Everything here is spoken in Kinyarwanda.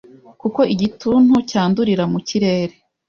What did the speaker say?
Kuko igituntu cyandurira mu kirere